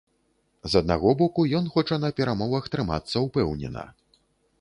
З аднаго боку, ён хоча на перамовах трымацца ўпэўнена.